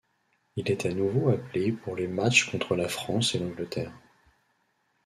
Il est à nouveau appelé pour les matchs contre la France et l'Angleterre.